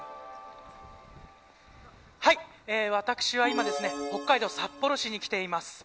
私は今北海道札幌市に来ています。